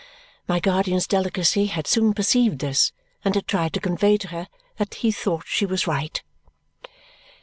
My guardian's delicacy had soon perceived this and had tried to convey to her that he thought she was right.